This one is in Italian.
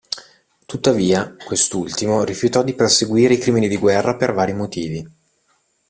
Tuttavia, quest'ultimo rifiutò di perseguire i crimini di guerra per vari motivi.